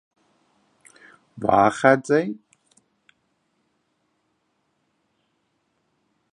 The Governors-General were always members of the Privy Council.